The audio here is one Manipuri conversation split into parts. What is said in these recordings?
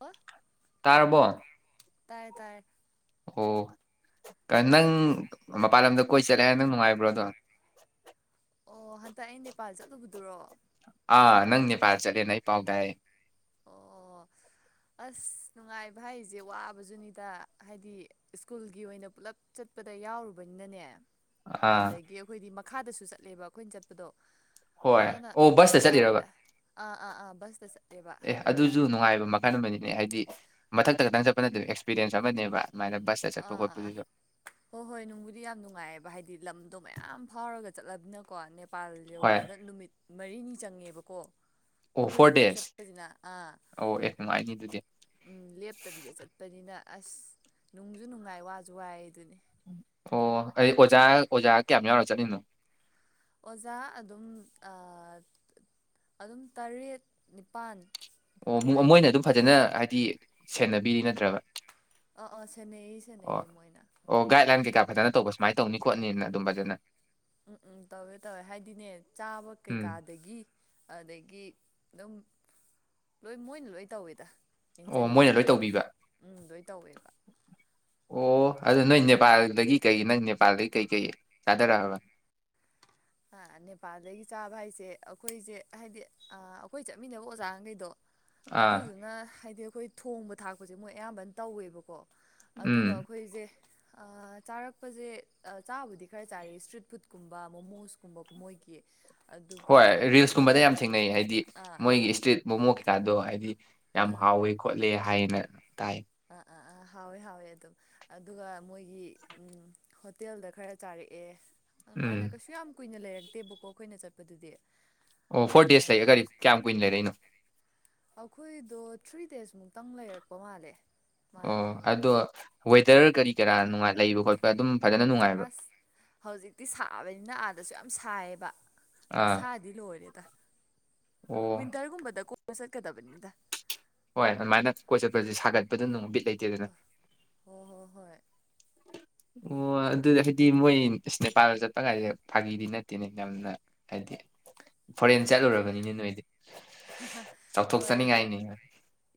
ꯑꯣ ꯇꯥꯔꯕꯣ ꯇꯥꯔꯦ ꯇꯥꯔꯦ ꯑꯣ ꯅꯪ ꯃꯄꯥꯟ ꯂꯝꯗ ꯀꯣꯏ ꯆꯠꯂꯦꯍꯥꯏ ꯅꯪ ꯅꯨꯡꯉꯥꯏꯕ꯭ꯔꯣꯗꯣ ꯑꯣ ꯍꯟꯗꯛ ꯑꯩ ꯅꯦꯄꯥꯜ ꯆꯠꯂꯨꯕꯗꯨꯔꯣ ꯑ ꯅꯪ ꯅꯦꯄꯥꯜ ꯆꯠꯂꯦꯅ ꯑꯩ ꯄꯥꯎꯇꯥꯏ ꯑꯣ ꯑꯁ ꯅꯨꯡꯉꯥꯏꯕ ꯍꯥꯏꯁꯦ ꯋꯥꯕꯖꯨꯅꯤꯗ ꯍꯥꯏꯗꯤ ꯁ꯭ꯀꯨꯜꯒꯤ ꯑꯣꯏꯅ ꯄꯨꯂꯞ ꯆꯠꯄꯗ ꯌꯥꯎꯔꯨꯕꯅꯤꯅꯅꯦ ꯑꯥ ꯑꯗꯒꯤ ꯑꯈꯣꯏꯗꯤ ꯃꯈꯥꯗꯁꯨ ꯆꯠꯂꯦꯕ ꯑꯈꯣꯏꯅ ꯆꯠꯄꯗꯣ ꯍꯣꯏ ꯑꯅ ꯑꯣ ꯕꯁꯇ ꯑꯁ ꯆꯠꯂꯤꯔꯕ ꯋꯥꯏꯗ ꯑꯥ ꯑꯥ ꯑꯥ ꯕꯁꯇ ꯆꯠꯂꯦꯕ ꯑꯦ ꯑ ꯑꯗꯨꯁꯨ ꯅꯨꯡꯉꯥꯏꯕ ꯃꯈꯜ ꯑꯃꯅꯤꯅꯦ ꯍꯥꯏꯗꯤ ꯃꯊꯛꯇ ꯈꯛꯇꯪ ꯆꯠꯄ ꯅꯠꯇꯕ ꯑꯦꯛꯁꯄꯤꯔꯦꯟꯁ ꯃꯈꯜ ꯑꯃꯅꯦꯕ ꯑꯗꯨꯃꯥꯏꯅ ꯕꯁꯇ ꯆꯠꯄ ꯑꯥ ꯑꯥ ꯑꯥ ꯈꯣꯠꯄꯗꯨꯁꯨ ꯍꯣꯏ ꯍꯣꯏ ꯅꯨꯡꯕꯨꯗꯤ ꯌꯥꯝ ꯅꯨꯡꯉꯥꯏꯑꯕ ꯍꯥꯏꯗꯤ ꯂꯝ ꯑꯣ ꯃꯌꯥꯝ ꯐꯥꯎꯔꯒ ꯆꯠꯂꯅꯤꯅꯀꯣ ꯄꯥꯜ ꯍꯣꯏ ꯌꯧꯕꯗ ꯅꯨꯃꯤꯠ ꯃꯔꯤꯅꯤ ꯆꯪꯉꯦꯕꯀꯣ ꯑꯣ ꯑꯩꯈꯣꯏ ꯐꯣꯔ ꯁꯤꯗꯩ ꯗꯦꯖ ꯆꯠꯄꯁꯤꯅ ꯑꯥ ꯑꯣ ꯑꯦ ꯅꯨꯡꯉꯥꯏꯅꯤ ꯑꯗꯨꯗꯤ ꯎꯝ ꯂꯦꯞꯇꯕꯤꯗ ꯆꯠꯄꯅꯤꯅ ꯑꯁ ꯅꯨꯡꯁꯨ ꯅꯨꯡꯉꯥꯏ ꯋꯥꯁꯨ ꯋꯥꯏ ꯑꯗꯨꯅꯦ ꯑꯣ ꯑꯩ ꯑꯣꯖꯥ ꯑꯣꯖꯥ ꯀꯌꯥꯝ ꯌꯥꯎꯅ ꯆꯠꯂꯤꯅꯣ ꯑꯣꯖꯥ ꯑꯗꯨꯝ ꯑꯥ ꯑꯗꯨꯝ ꯇꯔꯦꯠ ꯅꯤꯄꯥꯜ ꯑꯣ ꯑꯗꯨꯃꯥꯏꯅ ꯃꯣꯏꯅ ꯑꯗꯨꯝ ꯁꯨꯋꯦ ꯐꯖꯅ ꯍꯥꯏꯗꯤ ꯁꯦꯟꯅꯕꯤꯔꯤ ꯅꯠꯇ꯭ꯔꯕ ꯑ ꯑꯣ ꯁꯦꯅꯩ ꯁꯅꯩ ꯃꯣꯏꯅ ꯀ ꯐꯖꯅ ꯇꯧꯕ ꯁꯨꯃꯥꯏꯅ ꯇꯧꯅꯤ ꯈꯣꯠꯅꯤꯅ ꯑꯗꯨꯝ ꯐꯖꯅ ꯎꯝ ꯇꯧꯋꯦ ꯇꯧꯋꯦ ꯍꯥꯏꯗꯤꯅꯦ ꯆꯥꯕ ꯎꯝ ꯀꯩꯀꯥꯗꯒꯤ ꯑꯗꯒꯤ ꯑꯗꯨꯝ ꯂꯣꯏ ꯃꯣꯏꯅ ꯂꯣꯏ ꯇꯧꯋꯦꯗ ꯑꯣ ꯃꯣꯏꯅ ꯌꯦꯡꯁꯤꯟꯕꯤꯕ ꯂꯣꯏ ꯈꯣꯠꯄ ꯇꯧꯕꯤꯕ ꯎ ꯂꯣꯏ ꯇꯧꯋꯦꯕ ꯑꯣ ꯑꯗꯨ ꯅꯣꯏ ꯅꯦꯄꯥꯜꯗꯒꯤ ꯀꯩ ꯅꯪ ꯅꯦꯄꯥꯜꯗꯒꯤ ꯀꯩꯀꯩ ꯆꯥꯊꯔꯛꯑꯕ ꯅꯦꯄꯥꯜꯗꯒꯤ ꯆꯥꯕ ꯍꯥꯏꯁꯦ ꯑꯩꯈꯣꯏꯁꯦ ꯍꯥꯏꯗꯤ ꯑꯥ ꯑꯩꯈꯣꯏ ꯆꯠꯃꯤꯟꯅꯕ ꯑꯣꯖꯥꯈꯩꯗꯣ ꯑꯥ ꯑꯗꯨꯗꯨꯅ ꯍꯥꯏꯗꯤ ꯑꯩꯈꯣꯏ ꯊꯣꯡꯕ ꯊꯥꯛꯄꯁꯦ ꯃꯣꯏ ꯑꯌꯥꯝꯕꯅ ꯇꯧꯋꯦꯕꯀꯣ ꯑꯗꯨꯒ ꯎꯝ ꯑꯩꯈꯣꯏꯁꯦ ꯑꯥ ꯆꯥꯔꯛꯄꯁꯦ ꯆꯥꯕꯨꯗꯤ ꯈꯔ ꯆꯥꯔ ꯏꯁꯇ꯭ꯔꯤꯠ ꯐꯨꯗꯀꯨꯝꯕ ꯃꯣꯃꯣꯁꯨ ꯀꯨꯝꯕ ꯃꯣꯏꯒꯤ ꯍꯣꯏ ꯔꯤꯜꯁꯀꯨꯝꯕꯗ ꯍꯣꯇꯦꯜ ꯌꯥꯝ ꯊꯦꯡꯅꯩ ꯍꯥꯏꯗꯤ ꯑꯥ ꯃꯣꯏꯒꯤ ꯏꯁꯇ꯭ꯔꯤꯠ ꯃꯣꯃꯣ ꯀꯩꯀꯥꯗꯣ ꯍꯥꯏꯗꯤ ꯌꯥꯝ ꯑꯥ ꯍꯥꯎꯋꯦ ꯈꯣꯠꯂꯦ ꯍꯥꯏꯅ ꯇꯥꯏ ꯑꯥ ꯑꯥ ꯑꯥ ꯍꯥꯎꯋꯦ ꯍꯥꯎꯋꯦ ꯑꯗꯨꯝ ꯑꯗꯨꯒ ꯃꯣꯏꯒꯤ ꯍꯣꯇꯦꯜꯗ ꯈꯔ ꯆꯥꯔꯛꯑꯦ ꯎꯝ ꯃꯥꯏꯅꯦ ꯀꯁꯨ ꯌꯥꯝ ꯀꯨꯏꯅ ꯂꯩꯔꯛ ꯅ ꯇꯦꯕꯨꯀꯣ ꯑꯩꯈꯣꯏꯅ ꯆꯠꯄꯗꯨꯗꯤ ꯑꯣ ꯐꯣꯔ ꯗꯦꯖ ꯂꯩ ꯑꯗꯨ ꯀꯔꯤ ꯀꯌꯥꯝ ꯀꯨꯏꯅ ꯂꯩꯔꯛꯏꯅꯣ ꯑꯩꯈꯣꯏꯗꯣ ꯊ꯭ꯔꯤ ꯗꯦꯖꯃꯨꯛꯇꯪ ꯂꯩꯔꯛꯄ ꯃꯥꯜꯂꯦ ꯃꯥꯅꯦ ꯑꯣ ꯑꯗꯣ ꯋꯦꯗꯔ ꯀꯔꯤ ꯀꯔꯥ ꯅꯨꯡꯉꯥꯏ ꯂꯩꯕ ꯈꯣꯠꯄ ꯑꯗꯨꯝ ꯐꯖꯅ ꯅꯨꯡꯉꯥꯏꯕ꯭ꯔꯥ ꯑꯁ ꯍꯧꯖꯤꯛꯇꯤ ꯁꯥꯕꯅꯤꯅ ꯑꯥꯗꯁꯨ ꯌꯥꯝ ꯁꯥꯏꯌꯦꯕ ꯑꯥ ꯈꯨꯠꯁꯥꯗꯤ ꯂꯣꯏꯔꯦ [inaudible] ꯑꯣ ꯋꯤꯟꯇꯔꯒꯨꯝꯕꯗ ꯁꯛ ꯀꯗꯕꯅꯤꯗ ꯍꯣꯏ ꯑꯗꯨꯃꯥꯏꯅ ꯀꯣꯏ ꯆꯠꯄꯁꯤ ꯁꯥꯒꯠꯄꯗꯨ [unintelligible] ꯂꯩꯇꯦꯗꯅ ꯍꯣꯏ ꯍꯣꯏ ꯍꯣꯏ ꯑꯣ ꯑꯗꯨꯗꯤ ꯍꯥꯏꯗꯤ ꯃꯣꯏ ꯅꯦꯄꯥꯜꯗ ꯆꯠꯄ ꯀꯥꯏꯁꯦ ꯐꯥꯒꯤꯗꯤ ꯅꯠꯇꯦꯅꯦ ꯌꯥꯝꯅ ꯍꯥꯏꯗꯤ ꯐꯣꯔꯦꯟ ꯆꯠꯂꯨꯔꯕꯅꯤꯅꯦ ꯅꯣꯏꯗꯤ ꯍꯣꯏ ꯑꯗꯣ ꯆꯥꯎꯊꯣꯛꯆꯅꯤꯡꯉꯥꯏꯅꯤ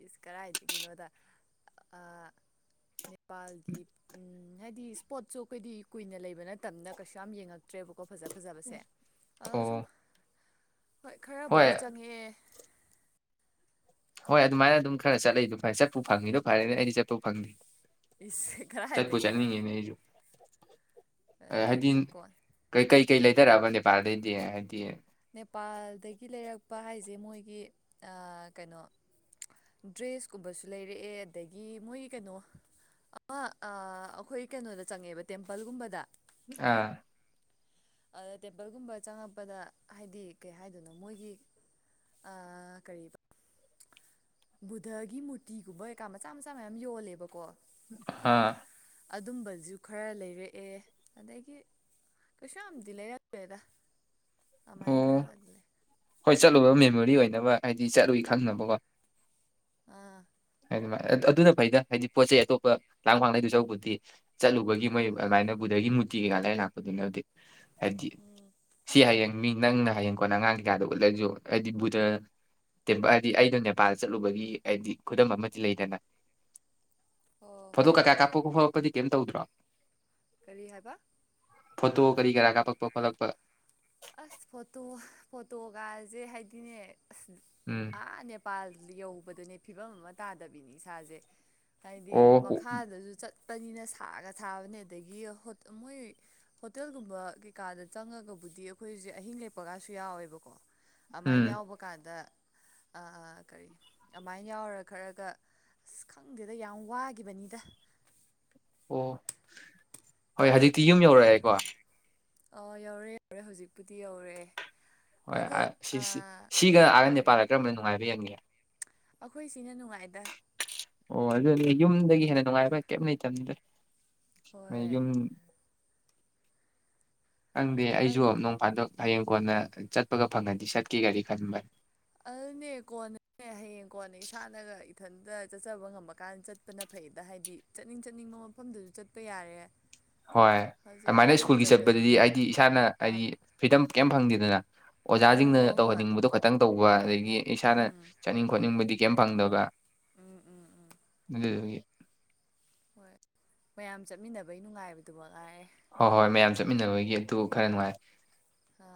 ꯏꯁ ꯀꯗꯥꯥꯏꯗꯒꯤꯅꯣꯗ ꯅꯦꯄꯥꯜꯒꯤ ꯍꯥꯏꯗꯤ ꯏꯁ꯭ꯄꯣꯔꯠꯁꯨ ꯑꯩꯈꯣꯏꯗꯤ ꯀꯨꯏꯅ ꯂꯩꯕ ꯅꯠꯇꯝꯅꯤꯅꯥ ꯀꯩꯁꯨ ꯌꯥꯝ ꯌꯦꯡꯉꯛꯇ꯭ꯔꯦꯕ ꯐꯖꯥ ꯐꯖꯥꯕꯁꯦ ꯑꯣ [unintelligible] ꯍꯣꯏ ꯍꯣꯏ ꯈꯔꯕꯨꯗꯤ ꯆꯪꯉꯛꯑ ꯍꯣꯏ ꯑꯗꯨꯃꯥꯏꯅ ꯑꯗꯨꯝ ꯈꯔ ꯆꯠꯂꯤꯗꯣ ꯐꯔꯦ ꯆꯠꯄ ꯐꯪꯉꯤꯗꯣ ꯐꯔꯦꯅꯦ ꯑꯩꯗꯤ ꯆꯠꯄ ꯐꯪꯗꯦ ꯏꯁ ꯆꯠꯄꯨ ꯀꯔꯥꯏꯗꯒꯤꯅꯣꯗ ꯆꯠꯅꯤꯡꯉꯤꯅꯦ [unintelligible] ꯍꯥꯏꯗꯤ ꯀꯩ ꯀꯩꯀꯩ ꯂꯩꯗꯔꯛꯑꯕ ꯅꯦꯄꯥꯜꯗꯩꯩ [unintelligible] ꯍꯥꯏꯗꯤ ꯅꯦꯄꯥꯜꯗꯒꯤ ꯂꯩꯔꯛꯄ ꯍꯥꯏꯁꯦ ꯃꯣꯏꯒꯤ ꯀꯩꯅꯣ ꯗ꯭ꯔꯦꯁꯀꯨꯝꯕꯁꯨ ꯂꯩꯔꯛꯑꯦ ꯑꯗꯒꯤ ꯃꯣꯏꯒꯤ ꯀꯩꯅꯣ ꯑꯃ ꯑꯩꯈꯣꯏ ꯀꯩꯅꯣꯗ ꯆꯪꯉꯦꯕ ꯇꯦꯝꯄꯜꯒꯨꯝꯕꯗ ꯑꯥ ꯑꯗ ꯇꯦꯝꯄꯜꯒꯨꯝꯕ ꯆꯪꯉꯛꯄꯗ ꯍꯥꯏꯗꯤ ꯀꯩ ꯍꯥꯏꯗꯣꯏꯅꯣ ꯃꯣꯏꯒꯤ [unintelligible] ꯕꯨꯙꯒꯤ ꯃꯨꯔꯇꯤꯒꯨꯝꯕ ꯀꯩꯀꯥ ꯃꯆꯥ ꯃꯆꯥ ꯃꯌꯥꯝ ꯌꯣꯜꯂꯦꯕꯀꯣ ꯑꯥ ꯑꯗꯨꯝꯕꯁꯨ ꯈꯔ ꯂꯩꯔꯛꯑꯦ ꯑꯗꯒꯤ ꯀꯩꯁꯨ ꯌꯥꯝꯗꯤ ꯂꯩꯔꯛꯇꯔ꯭ꯦꯗ ꯑꯃꯥꯏ ꯑꯣ ꯈꯔ [unintelligible] ꯍꯣꯏ ꯆꯠꯂꯨꯕ ꯃꯦꯃꯣꯔꯤ ꯑꯣꯏꯅꯕ ꯍꯥꯏꯗꯤ ꯆꯠꯂꯨꯏ ꯈꯪꯅꯕꯀꯣ ꯑꯥ ꯑꯗꯨꯅ ꯐꯩꯗ ꯍꯥꯏꯗꯤ ꯄꯣꯠ ꯆꯩ ꯑꯇꯣꯞꯄ ꯂꯥꯡ ꯐꯥꯡ ꯂꯩꯗꯣꯏ ꯁꯔꯨꯛꯄꯨꯗꯤ ꯆꯠꯂꯨꯕꯒꯤ ꯃꯣꯏ ꯑꯗꯨꯃꯥꯏꯅ ꯕꯨꯗꯒꯤ ꯀꯩꯀꯥ ꯂꯩ ꯂꯥꯛꯄꯗꯨꯅꯗꯤ ꯍꯥꯏꯗꯤ ꯁꯤ ꯍꯌꯦꯡ ꯃꯤ ꯅꯪꯅ ꯍꯌꯦꯡ ꯀꯣꯟꯅ ꯑꯉꯥꯡ ꯀꯩꯀꯥꯗ ꯎꯠꯂꯁꯨ ꯍꯥꯏꯗꯤ ꯕꯨꯙ ꯇꯦꯝꯄꯜ ꯍꯥꯏꯗꯤ ꯑꯩꯩꯅꯣ ꯅꯦꯄꯥꯜ ꯆꯠꯂꯨꯕꯒꯤ ꯍꯥꯏꯗꯤ ꯈꯨꯗꯝ ꯑꯃꯗꯤ ꯂꯩꯗꯅ ꯍꯣꯏ ꯐꯣꯇꯣ ꯍꯣꯏ ꯀꯩꯀꯥ ꯀꯥꯞꯂꯛꯄ ꯈꯣꯠꯂꯛꯄꯗꯤ ꯀꯩꯝ ꯇꯧꯗ꯭ꯔꯥ ꯀꯔꯤ ꯍꯥꯏꯕ ꯐꯣꯇꯣ ꯀꯔꯤ ꯀꯔꯥ ꯀꯥꯞꯄꯛꯄ ꯈꯣꯠꯂꯛꯄ ꯑꯁ ꯐꯣꯇꯣ ꯐꯣꯇꯣꯒꯥꯁꯦ ꯍꯥꯏꯗꯤꯅꯦ ꯎꯝ ꯑꯥ [unintelligible] [unintelligible] ꯌꯧꯕꯗꯨꯅꯦ ꯐꯤꯕꯝ ꯑꯃ ꯇꯥꯗꯕꯤꯅꯤ ꯏꯁꯥꯁꯦ ꯍꯥꯏꯗꯤ ꯑꯣ ꯃꯈꯥꯗꯁꯨ ꯆꯠ ꯄꯅꯤꯅ ꯁꯥꯒ ꯁꯥꯕꯅꯦ ꯑꯗꯒꯤ ꯃꯣꯏ ꯍꯣꯇꯦꯜꯒꯨꯝꯕ ꯀꯩꯀꯥꯗ ꯆꯪꯉꯒꯕꯨꯗꯤ ꯑꯩꯈꯣꯏꯁꯦ ꯑꯍꯤꯡ ꯂꯦꯛꯞꯄꯒꯁꯨ ꯌꯥꯎꯋꯦꯕꯀꯣ ꯎꯝ ꯑꯃꯥꯏꯅ ꯌꯥꯎꯕ ꯀꯥꯟꯗ ꯀꯔꯤ ꯑꯃꯥꯏꯅ ꯌꯥꯎꯔ ꯈꯔꯒ ꯑꯁ ꯈꯪꯗꯦꯗ ꯌꯥꯝ ꯋꯥꯒꯤꯕꯅꯤꯗ ꯑꯣ ꯍꯣꯏ ꯍꯧꯖꯤꯛꯇꯤ ꯌꯨꯝ ꯌꯧꯔꯛꯑꯦꯀꯣ ꯑꯥ ꯌꯧꯔꯦ ꯌꯧꯔꯦ ꯍꯧꯖꯤꯛꯄꯨꯗꯤ ꯌꯧꯔꯦ ꯍꯣꯏ ꯁꯤꯒ ꯑꯥꯒ ꯀꯔꯤ ꯅꯦꯄꯥꯜꯗ ꯀꯔꯝꯕꯅ ꯅꯨꯡꯉꯥꯏꯕ ꯍꯦꯟꯒꯦ [unintelligible] ꯑꯩꯈꯣꯏ ꯁꯤꯅ ꯅꯨꯡꯉꯥꯏꯗ ꯑꯣ ꯑꯗꯨꯗꯤ ꯌꯨꯝꯗꯒꯤ ꯍꯦꯟꯅ ꯅꯨꯡꯉꯥꯏꯕ ꯀꯩꯝ ꯂꯩꯇꯕꯅꯤꯗ ꯃꯣꯏ ꯍꯣꯏ ꯌꯨꯝ ꯈꯪꯗꯦ ꯑꯩꯁꯨ ꯑꯗꯨ ꯅꯣꯡ ꯐꯥꯗꯣꯛ ꯍꯌꯦꯡ ꯀꯣꯟꯅ ꯆꯠꯄꯒ ꯐꯪꯉꯗꯤ ꯆꯠꯀꯦꯒꯗꯤ ꯈꯟꯕꯅꯤ ꯑꯗꯨꯅꯦ ꯀꯣꯟꯅꯅꯦ ꯍꯌꯦꯡ ꯀꯣꯟꯅ ꯏꯁꯥꯅꯒ ꯏꯊꯟꯇ ꯆꯠꯆꯕ ꯉꯝꯕ ꯀꯥꯟꯗ ꯆꯠꯄꯅ ꯐꯩꯌꯦꯗ ꯍꯥꯏꯗꯤ ꯆꯠꯅꯤꯡ ꯆꯠꯅꯤꯡꯕ ꯃꯐꯝꯗꯨꯁꯨ ꯆꯠꯄ ꯌꯥꯔꯦ ꯍꯣꯏ ꯍꯧꯖꯤꯛ ꯑꯗꯨꯃꯥꯏꯅ ꯑꯩꯈꯣꯏꯅ ꯁꯤꯗ ꯁ꯭ꯀꯨꯜꯒꯤ ꯆꯠꯄꯗꯨꯗꯤ ꯆꯠꯄꯁꯤꯗꯤ ꯍꯥꯏꯗꯤ ꯏꯁꯥꯅ ꯑꯥ ꯍꯥꯏꯗꯤ ꯐ꯭ꯔꯤꯗꯝ ꯀꯩꯝ ꯐꯪꯗꯦꯗꯅ ꯍꯣꯏ ꯑꯣꯖꯥꯁꯤꯡꯅ ꯍꯣꯏ ꯍꯣꯏ ꯇꯧꯍꯟꯅꯤꯡꯕꯗꯣ ꯈꯇꯪ ꯇꯧꯕ ꯑꯗꯒꯤ ꯏꯁꯥꯅ ꯆꯠꯅꯤꯡ ꯈꯣꯠꯅꯤꯡꯕꯗꯤ ꯀꯩꯝ ꯐꯪꯗꯕ ꯑꯗꯨꯗꯨꯒꯤ ꯍꯣꯏ ꯃꯌꯥꯝ ꯆꯠꯃꯤꯟꯅꯕꯩ ꯅꯨꯡꯉꯥꯏꯕꯗꯨ ꯃꯉꯥꯏ ꯍꯣꯏ ꯍꯣꯏ ꯃꯌꯥꯝ ꯆꯠꯃꯤꯟꯅꯕꯒꯤ ꯑꯗꯨ ꯈꯔ ꯅꯨꯡꯉꯥꯏ ꯑ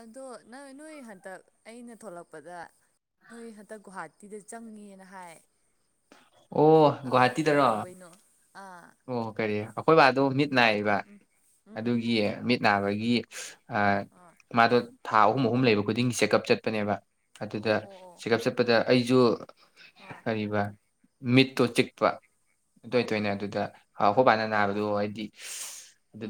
ꯑꯗꯣ ꯅ ꯅꯣꯏ ꯍꯟꯗꯛ ꯑꯩꯅ ꯊꯣꯛꯂꯛꯄꯗ ꯅꯣꯏ ꯍꯟꯗꯛ ꯒꯨꯍꯥꯇꯤꯗ ꯆꯪꯅꯤꯅ ꯀꯩꯅꯣꯝꯃ ꯍꯥꯏ ꯑꯣ ꯑꯥ ꯒꯣꯍꯥꯇꯤꯗꯔꯣ ꯀꯩꯗꯧꯕꯩꯅꯣ ꯑꯥ ꯑꯣ ꯀꯔꯤ ꯑꯩꯈꯣꯏ ꯕꯥꯗꯣ ꯃꯤꯠ ꯅꯥꯏꯕ ꯑꯗꯨꯒꯤ ꯃꯤꯠ ꯅꯥꯕꯒꯤ ꯑꯥ ꯃꯥꯗꯣ ꯊꯥꯎ ꯑꯍꯨꯝ ꯑꯍꯨꯝ ꯂꯩꯕ ꯈꯨꯗꯤꯡꯒꯤ ꯆꯦꯛꯀꯞ ꯆꯠꯄꯅꯦꯕ ꯑꯗꯨꯗ ꯑꯣ ꯑꯣ ꯑꯣ ꯆꯦꯛꯀꯞ ꯆꯠꯄꯗ ꯑꯩꯁꯨ ꯑꯥ ꯀꯔꯤꯕ ꯃꯤꯠꯇꯨ ꯆꯤꯛꯄ ꯇꯣꯏ ꯑꯥ ꯇꯣꯏꯅ ꯑꯈꯣꯏꯕꯥꯅ ꯑꯥ ꯅꯥꯕꯗꯣ ꯍꯥꯏꯗꯤ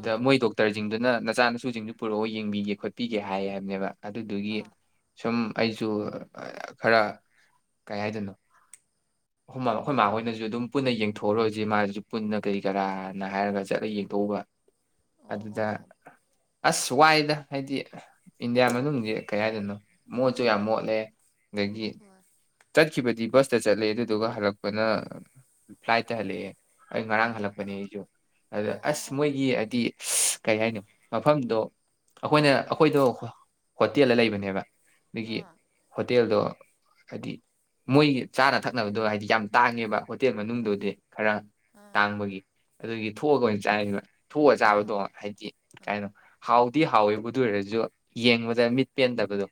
ꯑꯥ ꯃꯣꯏ ꯗꯣꯛꯇꯔ ꯁꯤꯡꯗꯨꯅ ꯅꯆꯥꯅꯁꯨꯁꯤꯡꯗꯨ ꯄꯨꯔꯛꯑꯣ ꯌꯦꯡꯕꯤꯒꯦ ꯈꯣꯠꯄꯤꯒꯦ ꯍꯥꯏ ꯍꯥꯏꯕꯅꯦꯕ ꯑꯗꯨꯗꯨꯒꯤ ꯑꯥ ꯁꯨꯝ ꯑꯩꯁꯨ ꯈꯔ ꯀꯩ ꯍꯥꯏꯗꯣꯏꯅꯣ ꯑꯩꯈꯣꯏ ꯃꯥꯥꯍꯣꯏꯅꯁꯨ ꯑꯗꯨꯝ ꯄꯨꯟꯅ ꯌꯦꯡꯊꯣꯛꯎꯔꯁꯦ ꯃꯥꯁꯨ ꯄꯨꯟꯅ ꯀꯔꯤ ꯀꯔꯥꯅ ꯍꯥꯏꯔꯒ ꯆꯠꯂꯒ ꯌꯦꯡꯊꯣꯛꯎꯕ ꯑꯣ ꯑꯗꯨꯗ ꯑꯣ ꯑꯣ ꯑꯁ ꯋꯥꯏꯗ ꯍꯥꯏꯗꯤ ꯏꯟꯗꯤꯌꯥ ꯃꯅꯨꯡꯁꯦ ꯀꯩ ꯍꯥꯏꯗꯅꯣ ꯃꯣꯠꯁꯨ ꯌꯥꯝ ꯑꯥ ꯃꯣꯠꯂꯦ ꯑꯗꯒꯤ ꯍꯣꯏ ꯆꯠꯈꯤꯕꯗꯤ ꯕꯁ ꯆꯠꯂꯤ ꯑꯗꯨꯗꯨꯒ ꯍꯜꯛꯄ ꯄꯅ ꯑꯥ ꯐ꯭ꯂꯥꯏꯠꯇ ꯍꯜꯂꯛꯑꯦ ꯑꯩ ꯉꯔꯥꯡ ꯍꯜꯂꯛꯄꯅꯦ ꯑꯩꯁꯨ ꯑꯗꯨꯗ ꯑꯣ ꯑꯣ ꯑꯁ ꯑꯣ ꯃꯣꯏꯒꯤ ꯍꯥꯏꯗꯤ ꯀꯩ ꯍꯥꯏꯅꯤ ꯃꯐꯝꯗꯣ ꯑꯈꯣꯏꯅ ꯑꯥ ꯑꯈꯣꯏꯗꯣ ꯍꯣꯇꯦꯜꯗ ꯂꯩꯕꯅꯦꯕ ꯗꯨꯒꯤ ꯑꯥ ꯍꯣꯇꯦꯜꯗꯣ ꯍꯥꯏꯗꯤ ꯃꯣꯏꯒꯤ ꯀꯩ ꯆꯥꯅ ꯊꯛꯅꯕꯗꯣ ꯍꯥꯏꯗꯤ ꯌꯥꯝ ꯇꯥꯡꯉꯦꯕ ꯍꯣꯇꯦꯜ ꯑꯥ ꯃꯅꯨꯡꯗꯨꯗꯤ ꯈꯔ ꯑꯥ ꯇꯥꯡꯕꯒꯤ ꯑꯗꯨꯒꯤ ꯊꯣꯛꯑꯒ ꯑꯣꯏꯅ ꯆꯥꯏꯕ ꯊꯣꯛꯑꯒ ꯑꯥ ꯆꯥꯕꯗꯣ ꯍꯥꯏꯗꯤ ꯑꯥ ꯀꯩꯅꯣ ꯍꯥꯎ ꯗꯤ ꯍꯥꯎꯋꯦꯕ ꯑꯗꯨ ꯑꯣꯏꯔꯁꯨ ꯌꯦꯡꯕꯗ ꯃꯤꯠ ꯄꯦꯟꯗꯕꯗꯣ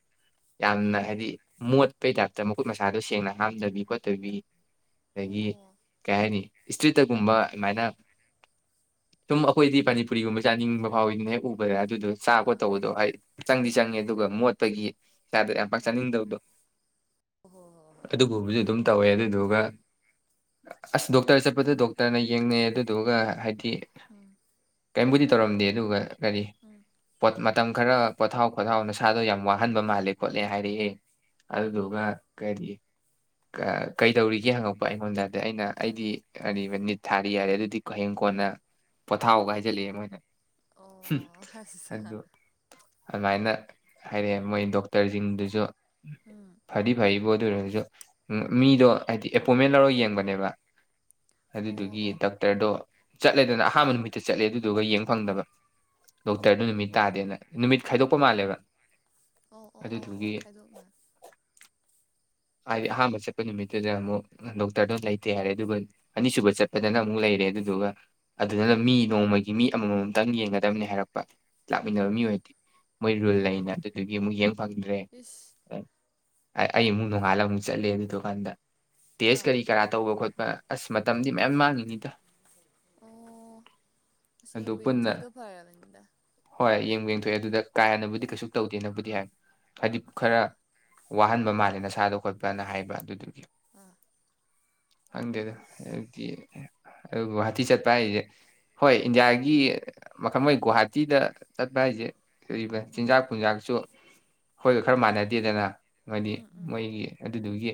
ꯌꯥꯝꯅ ꯍꯥꯏꯗꯤ ꯑꯣ ꯃꯣꯠꯄꯩ ꯇꯥꯏꯞ ꯃꯈꯨꯠ ꯃꯁꯥꯗꯨꯣ ꯁꯦꯡꯅ ꯍꯥꯝꯗꯕꯤ ꯈꯣꯠꯇꯕꯤ ꯍꯥꯏꯗꯤ ꯑꯣ ꯀꯩ ꯍꯥꯏꯅꯤ ꯏꯁꯇ꯭ꯔꯤꯠꯇꯒꯨꯝꯕ ꯑꯗꯨꯃꯥꯏꯅ ꯁꯨꯝ ꯑꯩꯈꯣꯏꯗꯤ ꯄꯅꯤꯄꯨꯔꯤꯒꯨꯝꯕ ꯆꯥꯅꯤꯡꯕ ꯐꯥꯎꯤꯗꯅ ꯍꯦꯛ ꯎꯕꯗ ꯑꯗꯨꯗꯣ ꯆꯥ ꯑꯥ ꯈꯣꯠ ꯑꯥ ꯇꯧꯕꯗꯣ ꯍꯥꯏ ꯆꯪꯗꯤ ꯆꯪꯉꯦ ꯑꯗꯨꯒ ꯃꯣꯠꯄꯒꯤ ꯏꯁꯥꯗ ꯌꯥꯝ ꯑꯥ ꯄꯥꯛꯆꯅꯤꯡꯗꯕꯗꯣ ꯍꯣ ꯍꯣ ꯍꯣꯏ ꯍꯣꯏ ꯑꯗꯨꯒꯨꯝꯕꯁꯨ ꯑꯗꯨꯝ ꯇꯧꯋꯦ ꯑꯗꯨ ꯗꯨꯒ ꯑꯁ ꯗꯣꯛ ꯇꯔ ꯑꯗꯨ ꯗꯣꯛꯇꯔꯅ ꯌꯦꯡꯅꯩꯌꯦ ꯑꯗꯨ ꯑꯗꯨꯒ ꯍꯥꯏꯗꯤ ꯀꯩꯝꯕꯨꯗꯤ ꯇꯧꯔꯝꯗꯦ ꯑꯗꯨꯒ ꯀꯔꯤ ꯄꯣꯠꯃꯠ ꯃꯇꯝ ꯈꯔ ꯄꯣꯊꯥꯎ ꯈꯣꯊꯥꯎ ꯅꯁꯥꯗꯣ ꯌꯥꯝ ꯋꯥ ꯍꯟꯕ ꯃꯥꯜꯂꯦ ꯈꯣꯠꯂꯦ ꯍꯥꯏꯔꯛꯑꯦ ꯑꯗꯨꯗꯨꯒ ꯀꯔꯤ ꯀꯩꯗꯧꯔꯤꯒꯦ ꯍꯪꯉꯛꯄ ꯑꯩꯉꯣꯟꯗ ꯑꯗꯩ ꯑꯩꯅ ꯑꯩꯗꯤ ꯀꯔꯤꯕ ꯅꯤꯠ ꯊꯥꯔꯤ ꯍꯥꯏꯔꯦ ꯑꯗꯨꯗꯤ ꯍꯌꯦꯡ ꯀꯣꯟꯅ ꯄꯣꯊꯥꯎ ꯀ ꯍꯥꯏꯖꯜꯂꯛꯑꯦ ꯃꯣꯏꯅ ꯍꯨꯝ ꯑꯣ ꯑꯗꯣ ꯑꯁ ꯑꯗꯨꯃꯥꯏꯅ ꯍꯥꯏꯔ ꯃꯣꯏ ꯗꯣꯛꯇꯔꯁꯤꯡꯗꯨꯁꯨ ꯐꯗꯤ ꯐꯥꯏꯕꯣ ꯑꯗꯨ ꯑꯣꯏꯔꯁꯨ ꯃꯤꯗꯣ ꯍꯥꯏꯗꯤ ꯑꯦꯄꯣꯏꯟꯃꯦꯟ ꯂꯧꯔꯒ ꯌꯦꯡꯕꯅꯦꯕ ꯑꯣ ꯑꯗꯨꯗꯨꯒꯤ ꯑꯣ ꯗꯥꯛꯇꯔꯗꯣ ꯆꯠꯂꯦꯗꯅ ꯑꯍꯥꯟꯕ ꯅꯨꯃꯤꯠꯇ ꯆꯠꯂꯦ ꯑꯗꯨꯗꯨꯒ ꯌꯦꯡ ꯐꯪꯗꯕ ꯗꯣꯛꯇꯔꯗꯨ ꯅꯨꯃꯤꯠ ꯇꯥꯗꯦꯅ ꯅꯨꯃꯤꯠ ꯈꯥꯏꯗꯣꯛꯄ ꯃꯥꯜꯂꯦꯕ ꯑꯣ ꯑꯣ ꯑꯣ ꯑꯗꯨꯗꯨꯒꯤ ꯑꯣ ꯈꯥꯏꯗꯣꯛꯅ ꯍꯥꯏꯗꯤ ꯑꯍꯥꯟꯕ ꯆꯠꯄ ꯅꯨꯃꯤꯠꯇꯨꯗ ꯑꯃꯨꯛ ꯗꯣꯛꯇꯔꯗꯣ ꯂꯩꯇꯦ ꯌꯥꯔꯦ ꯑꯗꯨꯒ ꯑꯅꯤꯁꯨꯕ ꯆꯠꯄꯗꯅ ꯑꯃꯨꯛ ꯂꯩꯔꯦ ꯑꯗꯨꯗꯨꯒ ꯑꯗꯨꯗꯨꯅ ꯎꯝ ꯃꯤ ꯅꯣꯡꯃꯒꯤ ꯃꯤ ꯑꯃꯃꯝꯇꯪ ꯌꯦꯡꯒꯗꯕꯅꯤ ꯍꯥꯏꯔꯛꯄ ꯂꯥꯛꯃꯤꯟꯅꯕ ꯃꯤ ꯑꯣꯏꯗꯤ ꯃꯣꯏ ꯔꯨꯜ ꯂꯩꯅ ꯑꯗꯨꯗꯨꯒꯤ ꯑꯃꯨꯛ ꯐꯪꯗ꯭ꯔꯦ ꯏꯁ ꯑꯩ ꯅꯣꯡꯉꯥꯜꯂꯝ ꯑꯃꯨꯛ ꯆꯠꯂꯦ ꯑꯗꯨ ꯗꯨꯀꯥꯟꯗ ꯇꯖ ꯑꯥ ꯀꯔꯤ ꯀꯔꯥ ꯇꯧꯕ ꯈꯣꯠꯄ ꯑꯁ ꯃꯇꯝꯗꯤ ꯃꯌꯥꯝ ꯃꯥꯡꯉꯤꯅꯤꯗ ꯑꯣ ꯑꯗꯨ ꯌꯦꯡꯕꯨ ꯄꯨꯟꯅ ꯌꯦꯡꯊꯣꯛꯏꯗꯣ ꯐꯔꯕꯅꯦ ꯊꯣꯛꯑꯦ ꯑꯗꯨꯗ ꯀꯥ ꯍꯦꯟꯅꯕꯨꯗꯤ ꯀꯩꯁꯨ ꯇꯧꯗꯦꯅꯕꯨꯗꯤ ꯍꯥꯏ ꯍꯥꯏꯗꯤ ꯈꯔ ꯑꯥ ꯋꯥꯍꯟꯕ ꯃꯥꯜꯂꯦ ꯅ ꯁꯥꯥꯗ ꯈꯣꯠꯄꯅ ꯍꯥꯏꯕ ꯑꯗꯨꯗꯨꯒꯤ ꯎꯝ ꯍꯪꯗꯦ ꯑꯗꯨ ꯒꯨꯍꯇꯤ ꯆꯠꯄ ꯍꯥꯏꯖꯦ ꯍꯣꯏ ꯏꯟꯗꯤꯌꯥꯒꯤ ꯊꯃꯣꯏ ꯒꯨꯣꯍꯥꯇꯤꯗ ꯆꯠꯄ ꯍꯥꯏꯁꯦ ꯂꯩꯔꯤꯕ ꯆꯤꯟꯖꯥꯛ ꯊꯟꯖꯥꯛꯁꯨ ꯍꯣꯏꯗ ꯈꯔ ꯎꯝ ꯃꯥꯟꯅꯗꯦꯗꯅ ꯃꯣꯏꯗꯤ ꯃꯣꯏꯒꯤ ꯑꯗꯨꯗꯨꯒꯤ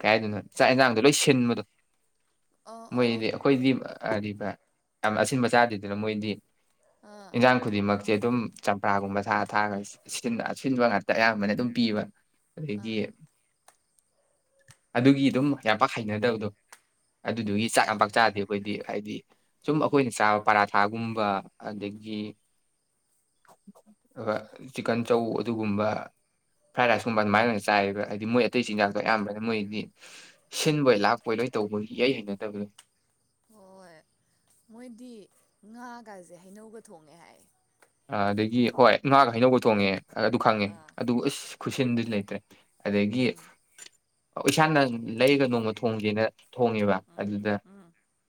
ꯀꯩ ꯍꯥꯏꯗꯣꯏꯅꯣ ꯆꯥꯛ ꯌꯦꯟꯁꯥꯡꯗꯣ ꯂꯣꯏ ꯁꯤꯟꯕꯗꯣ ꯑꯣ ꯑꯣ ꯑꯣ ꯃꯣꯏꯗꯤ ꯑꯩꯈꯣꯏꯗꯤ ꯑꯔꯤꯕ ꯌꯥꯝ ꯑꯁꯤꯟꯕ ꯆꯥꯗꯦꯗꯅ ꯃꯣꯏꯗꯤ ꯑꯥ ꯏꯟꯖꯥꯡ ꯈꯨꯗꯤꯃꯛ ꯁꯦ ꯑꯗꯨꯝ ꯆꯝꯄ꯭ꯔꯥꯒꯨꯝꯕ ꯊꯥꯔ ꯊꯥꯔꯒ ꯑꯁꯤꯟꯕ ꯉꯥꯛꯇ ꯑꯌꯥꯝꯕꯅ ꯑꯗꯨꯝ ꯄꯤꯕ ꯑꯗꯒꯤ ꯑꯥ ꯑꯗꯨꯒꯤ ꯑꯗꯨꯝ ꯌꯥꯝ ꯄꯥꯛ ꯍꯩꯅꯗꯕꯗꯣ ꯑꯗꯨꯗꯨꯒꯤ ꯆꯥꯛꯅ ꯍꯣꯏ ꯄꯥꯛꯆꯥꯥꯗꯤ ꯑꯩꯈꯣꯏꯗꯤ ꯍꯥꯏꯗꯤ ꯁꯨꯝ ꯑꯩꯈꯣꯏꯅ ꯎꯝ ꯆꯥꯕ ꯄꯔꯥ ꯁꯥꯒꯨꯝꯕ ꯑꯗꯒꯤ ꯆꯤꯛꯀꯟ ꯆꯧ ꯑꯗꯨꯒꯨꯝꯕ ꯐ꯭ꯔꯥꯏ ꯔꯥꯏꯁꯀꯨꯝꯕ ꯑꯗꯨꯃꯥꯏꯅ ꯑꯣꯏꯅ ꯆꯥꯏꯕ ꯍꯥꯏꯗꯤ ꯃꯣꯏ ꯑꯇꯩ ꯆꯤꯟꯖꯥꯛꯇꯣ ꯑꯌꯥꯝꯕꯅ ꯃꯣꯏꯗꯤ ꯁꯤꯟꯕꯣꯏ ꯂꯥꯛꯄꯣꯏ ꯂꯣꯏ ꯇꯧꯕ ꯌꯩ ꯍꯩꯅꯗꯕꯗꯣ ꯍꯣꯏ ꯃꯣꯏꯗꯤ ꯉꯥꯒꯁꯦ ꯍꯩꯅꯧꯒ ꯊꯣꯡꯉꯦ ꯍꯥꯏ ꯑ ꯑꯗꯒꯤ ꯍꯣꯏ ꯉꯥꯒ ꯍꯩꯅꯧꯕ ꯊꯣꯡꯉꯦ ꯑꯗꯨ ꯈꯪꯉꯦ ꯑꯥ ꯑꯗꯨ ꯑꯁ ꯈꯨꯠꯁꯤꯟꯗꯤ ꯂꯩꯇ꯭ꯔꯦ ꯑꯗꯒꯤ ꯏꯁꯥꯅ ꯂꯩꯔꯒ ꯅꯣꯡꯃ ꯊꯣꯡꯁꯤꯅ ꯊꯣꯡꯉꯦꯕ ꯑꯗꯨꯗ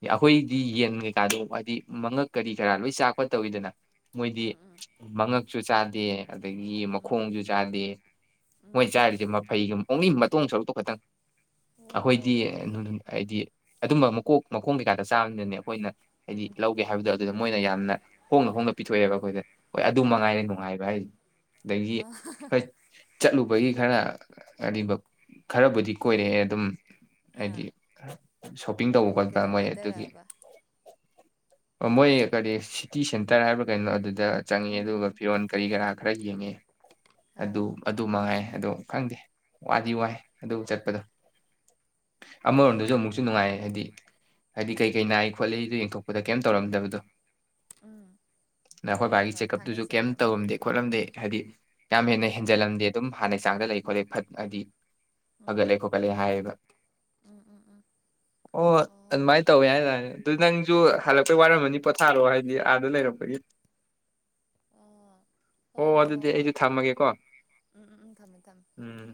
ꯑꯩꯈꯣꯏꯗꯤ ꯌꯦꯟ ꯀꯩꯀꯥꯗꯣ ꯍꯥꯏꯗꯤ ꯃꯉꯛ ꯀꯔꯤ ꯀꯔꯥ ꯂꯣꯏ ꯆꯥ ꯀꯣꯠ ꯇꯧꯋꯤꯗꯅ ꯃꯣꯏꯗꯤ ꯃꯉꯛ ꯁꯨ ꯆꯥꯗꯤꯌꯦ ꯑꯗꯒꯤ ꯃꯈꯣꯡꯁꯨ ꯆꯥꯗꯦ ꯃꯣꯏ ꯆꯥꯔꯤꯁꯦ ꯃꯐꯩꯒ ꯑꯣꯡꯂꯤ ꯇꯣꯡ ꯁꯔꯨꯛꯇꯣ ꯈꯇꯪ ꯑꯩꯈꯣꯏꯗꯤ ꯑꯣ ꯍꯥꯏꯗꯤ ꯑꯗꯨꯝꯕ ꯃꯀꯣꯛ ꯃꯈꯣꯡ ꯀꯩꯀꯥꯗ ꯆꯥꯕꯅꯤꯅꯅꯦ ꯑꯩꯈꯣꯏꯅ ꯍꯥꯏꯗꯤ ꯂꯧꯒꯦ ꯍꯥꯏꯕꯗꯣ ꯑꯗꯨꯗ ꯃꯣꯏꯅ ꯌꯥꯝꯅ ꯍꯣꯡꯅ ꯍꯣꯡꯅ ꯄꯤꯊꯣꯛꯑꯦꯕ ꯑꯩꯈꯣꯏꯗ ꯍꯣꯏ ꯑꯗꯨ ꯑꯣ ꯃꯉꯥꯏꯔꯦ ꯅꯨꯡꯉꯥꯏꯕ ꯍꯥꯏꯗꯤ ꯑꯗꯒꯤ ꯍꯣꯏ ꯆꯠꯂꯨ ꯑꯩꯈꯣꯏꯒꯤ ꯈꯔ ꯑꯔꯤꯕ ꯈꯔꯕꯨꯗꯤ ꯀꯣꯏꯔꯛꯑꯦ ꯑꯗꯨꯝ ꯍꯥꯏꯗꯤ ꯑꯥ ꯁꯣꯞꯄꯤꯡ ꯇꯧꯕ ꯀꯔꯤ ꯈꯣꯠ ꯄꯥ ꯀꯔꯤ ꯃꯣꯏ ꯑꯗꯨꯒꯤ ꯀꯣꯏꯊꯔꯛꯑꯕ ꯑꯣ ꯃꯣꯏ ꯀꯔꯤ ꯁꯤꯇꯤ ꯁꯦꯟꯇꯔ ꯍꯥꯏꯕ꯭ꯔꯥ ꯀꯩꯅꯣ ꯑꯗꯨꯗꯤ ꯗ ꯆꯪꯉꯦ ꯎꯝ ꯑꯗꯨꯒ ꯎꯝ ꯐꯤꯔꯣꯟ ꯀꯔꯤ ꯀꯔꯥꯛ ꯈꯔ ꯌꯦꯡꯉꯦ ꯑꯥ ꯑꯗꯨ ꯑꯗꯨꯃꯉꯥꯏ ꯑꯣ ꯈꯪꯗꯦ ꯋꯥꯗꯤ ꯋꯥꯏ ꯑꯗꯨ ꯆꯠꯄꯗꯣ ꯍꯣꯏ ꯑꯃꯔꯣꯝꯗꯁꯨ ꯑꯃꯨꯛꯁꯨ ꯅꯨꯡꯉꯥꯏ ꯍꯥꯏꯗꯤ ꯍꯥꯏꯗꯤ ꯀꯩ ꯀꯩ ꯎꯝ ꯅꯥꯏ ꯈꯣꯠꯂꯤ ꯑꯗꯨ ꯌꯦꯡꯊꯣꯛꯄꯗ ꯀꯩꯝꯇ ꯇꯧꯔꯝꯗꯕꯗꯣ ꯎꯝ ꯅ ꯑꯩꯈꯣꯏ ꯍꯣꯏ ꯕꯥꯒꯤ ꯍꯣꯏ ꯆꯦꯛꯑꯞꯇꯨꯁꯨ ꯊꯥꯡꯒꯩ ꯀꯩꯝ ꯁꯦꯡꯅ ꯑꯃ ꯇꯧꯔꯝꯗꯦ ꯃꯦꯜꯂꯦ ꯈꯣꯠꯂꯝꯗꯦ ꯍꯥꯏꯗꯤ ꯌꯥꯝ ꯍꯦꯟꯅ ꯍꯦꯟꯖꯜꯂꯝꯗꯦ ꯑꯗꯨꯝ ꯍꯥꯟꯅꯩ ꯍꯛꯆꯥꯡꯗ ꯂꯩ ꯈꯣꯠꯂꯦ ꯐꯠ ꯍꯥꯏꯗꯤ ꯎꯝ ꯐꯥꯒꯠꯂꯦ ꯈꯣꯈꯠꯂꯦ ꯍꯥꯌꯦꯕ ꯑꯣ ꯑꯗꯨꯃꯥꯏꯅ ꯇꯧꯋꯦ ꯍꯥꯏꯇꯥꯅꯤ ꯑꯗꯨ ꯅꯪꯁꯨ ꯍꯜꯂꯛꯄꯩ ꯋꯥꯔꯝꯃꯅꯤ ꯄꯣꯊꯥꯔꯛꯑꯣ ꯍꯥꯏꯗꯤ ꯑꯥꯗ ꯂꯩꯔꯛꯄꯒꯤ ꯑꯣ ꯍꯣ ꯑꯣ ꯍꯣ ꯍꯣ ꯑꯗꯨꯗꯤ ꯑꯩꯁꯨ ꯍꯣꯏ ꯊꯝꯃꯒꯦꯀꯣ ꯎꯝ ꯎꯝ ꯎꯝ ꯊꯝꯃꯦ ꯊꯝꯃꯦ ꯎꯝ